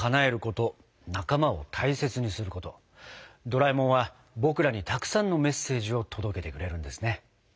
ドラえもんは僕らにたくさんのメッセージを届けてくれるんですね。